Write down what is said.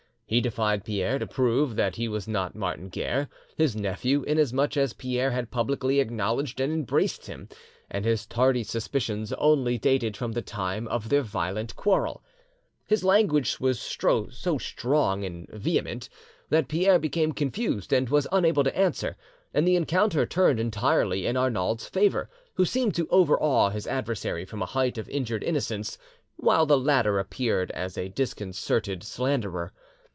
He defied Pierre to prove that he was not Martin Guerre, his nephew, inasmuch as Pierre had publicly acknowledged and embraced him, and his tardy suspicions only dated from the time of their violent quarrel. His language was so strong and vehement, that Pierre became confused and was unable to answer, and the encounter turned entirely in Arnauld's favour, who seemed to overawe his adversary from a height of injured innocence, while the latter appeared as a disconcerted slanderer.